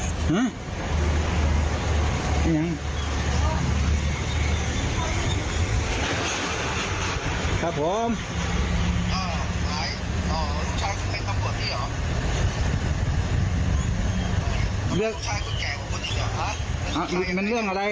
ลูกชายคนแก่คนคนอีกเหรอฮะมันเรื่องอะไรเรื่องอะไรฮะ